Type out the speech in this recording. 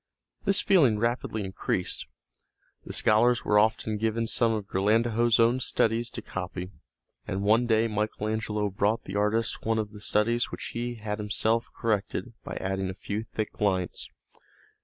This feeling rapidly increased. The scholars were often given some of Ghirlandajo's own studies to copy, and one day Michael Angelo brought the artist one of the studies which he had himself corrected by adding a few thick lines.